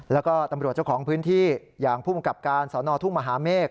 แล้วก็ตำรวจเจ้าของพื้นที่อย่างภูมิกับการสอนอทุ่งมหาเมฆ